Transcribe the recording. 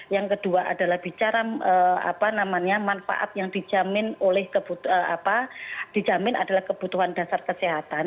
yang kedua adalah bicara manfaat yang dijamin adalah kebutuhan dasar kesehatan